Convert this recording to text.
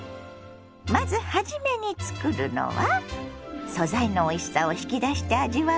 まず初めに作るのは素材のおいしさを引き出して味わう